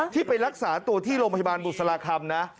ที่ไปรักษาตัวที่โรงพยาบาลบุษราคำนะ